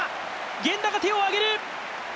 源田が手を挙げる。